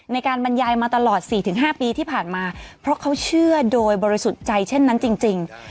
ในการบรรยายมาตลอด๔๕ปีที่ผ่านมาเพราะเขาเชื่อโดยบริสุทธิ์ใจเช่นนั้นจริง